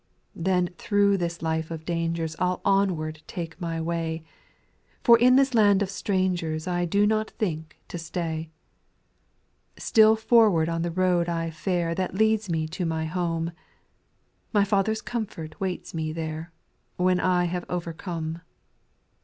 4. Then through this life of dangerg I'll onward take my way, For in this land of strangers I do not think to stay. Still forward on the road I fare That leads me to my home : My Father's comfort waits me there, When I have overcome.